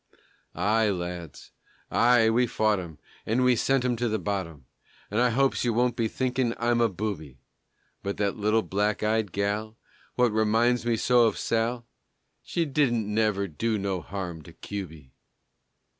Aye, lads, aye, we fought 'em, And we sent 'em to the bottom, And I hopes you won't be thinkin' I'm a booby, But that little black eyed gal, What reminds me so of Sal, She didn't never do no harm to Cuby.